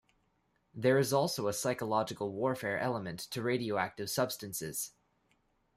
There is also a psychological warfare element to radioactive substances.